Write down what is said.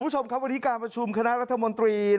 วันนี้การประชุมคณะรัฐมนตรี